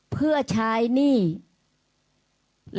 เพื่อใช้หนี้